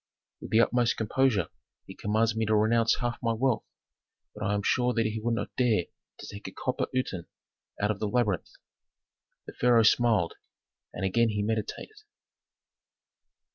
With the utmost composure he commands me to renounce half my income, but I am sure that he would not dare to take a copper uten out of the labyrinth." The pharaoh smiled, and again he meditated.